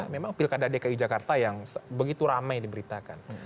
memang pilkada dki jakarta yang begitu ramai diberitakan